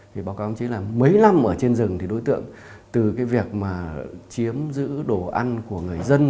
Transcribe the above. mấy năm ở trên rừng thì đối tượng từ việc chiếm giữ đồ ăn của người dân